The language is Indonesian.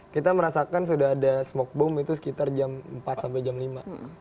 kita merasakan sudah ada smoke bom itu sekitar jam empat sampai jam lima